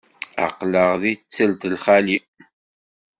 Aql-aɣ deg ttelt lxali.